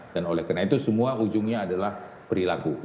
dan oleh karena itu semua ujungnya adalah perilaku